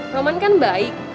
roman kan baik